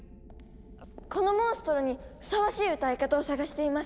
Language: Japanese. このモンストロにふさわしい歌い方を探しています。